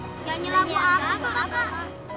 nyanyilah lagu apa kakak